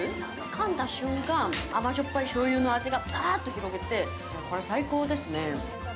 かんだ瞬間、甘じょっぱい醤油の味がばあっと広がって、これ最高ですね。